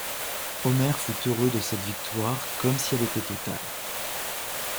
Omer fut heureux de cette victoire comme si elle était totale.